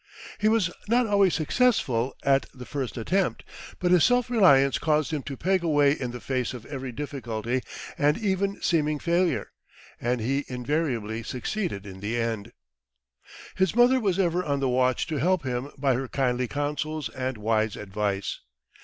He was not always successful at the first attempt, but his self reliance caused him to peg away in the face of every difficulty and even seeming failure, and he invariably succeeded in the end. His mother was ever on the watch to help him by her kindly counsels and wise advice.